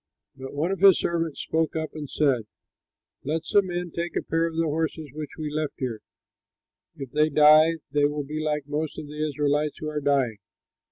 '" But one of his servants spoke up and said, "Let some men take a pair of the horses which are left here. If they die, they will be like most of the Israelites who are dying!